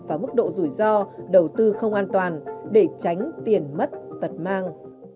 và mức độ rủi ro đầu tư không an toàn để tránh tiền mất tật mang